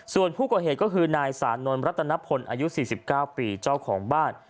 ส่วนผู้ก่อเหตุก็คือนายสานนท์รัตนพลอายุ๔๙ปีเจ้าของบ้าน